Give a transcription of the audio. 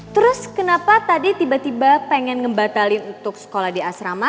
terus kenapa tadi tiba tiba pengen ngebatalin untuk sekolah di asrama